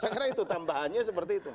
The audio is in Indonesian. saya kira itu tambahannya seperti itu